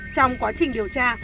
trong quá trình điều tra